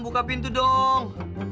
buka pintu dong